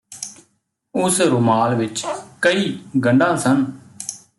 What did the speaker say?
ਉਸ ਰੁਮਾਲ ਵਿਚ ਕਈ ਗੰਢਾਂ ਸਨ